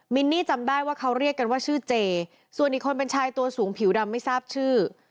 นี่จำได้ว่าเขาเรียกกันว่าชื่อเจส่วนอีกคนเป็นชายตัวสูงผิวดำไม่ทราบชื่อ